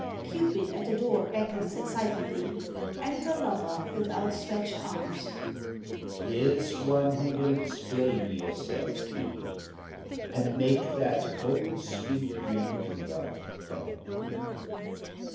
[CUPID at the door beckons excitedly. Enter lover with outstretched arms.] CUPID Here's one who will explain yourself to you And make that old sweet dream of love come true.